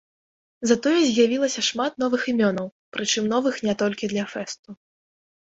Затое з'явілася шмат новых імёнаў, прычым новых не толькі для фэсту.